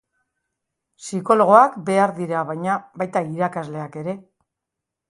Psikologoak behar dira baina, baita irakasleak ere.